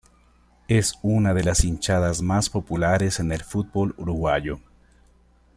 Es una de las hinchadas más populares en el fútbol uruguayo.